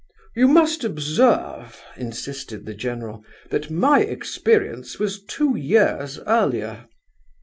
"You must observe," insisted the general, "that my experience was two years earlier."